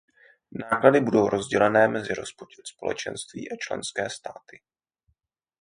Náklady budou rozdělené mezi rozpočet Společenství a členské státy.